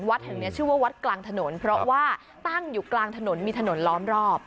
แห่งนี้ชื่อว่าวัดกลางถนนเพราะว่าตั้งอยู่กลางถนนมีถนนล้อมรอบ